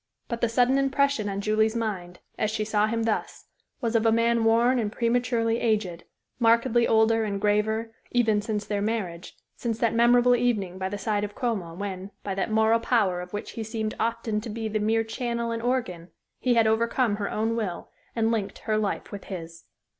But the sudden impression on Julie's mind, as she saw him thus, was of a man worn and prematurely aged markedly older and graver, even, since their marriage, since that memorable evening by the side of Como when, by that moral power of which he seemed often to be the mere channel and organ, he had overcome her own will and linked her life with his.